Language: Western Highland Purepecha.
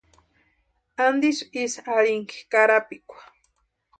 ¿Antisï ísï arhinhakʼi karapikwa?